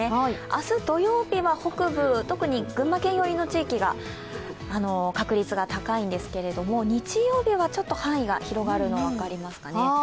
明日、土曜日は北部、特に群馬県寄りの地域が確率が高いんですけれども日曜日はちょっと範囲が広がるの分かりますかね。